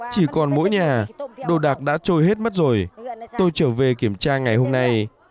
chỉ còn mỗi nhà đồ đạc đã trôi hết mất rồi tôi trở về kiểm tra ngày hôm nay